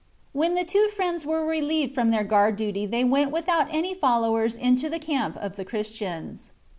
When the two friends were relieved from their guard duty they went without any followers into the camp of the Christians.